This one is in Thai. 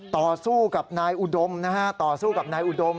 ต่อสู้กับนายอุดมนะฮะต่อสู้กับนายอุดม